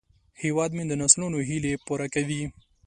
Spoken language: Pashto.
هیواد مې د نسلونو هیلې پوره کوي